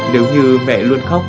nếu như mẹ luôn khóc